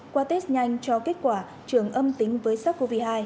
qua test nhanh cho kết quả trường âm tính với sars cov hai